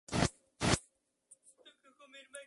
El masterplan a gran escala es típicamente mediterráneo.